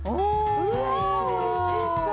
うわっおいしそう！